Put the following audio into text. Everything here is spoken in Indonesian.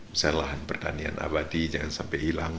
misalnya lahan pertanian abadi jangan sampai hilang